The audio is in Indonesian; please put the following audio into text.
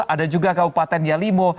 ada juga kabupaten yalimo